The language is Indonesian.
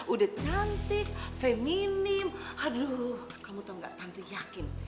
udah cantik feminim aduh kamu tau gak nanti yakin